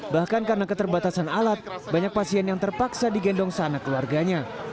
bahkan karena keterbatasan alat banyak pasien yang terpaksa digendong seanak keluarganya